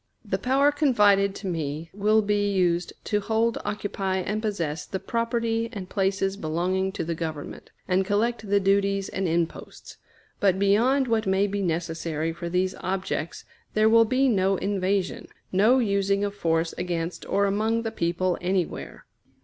The power confided to me will be used to hold, occupy, and possess the property and places belonging to the Government, and collect the duties and imposts; but beyond what may be necessary for these objects there will be no invasion, no using of force against or among the people anywhere.